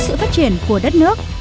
sự phát triển của đất nước